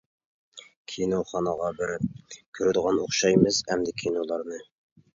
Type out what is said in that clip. كىنوخانىغا بېرىپ كۆرىدىغان ئوخشايمىز ئەمدى كىنولارنى.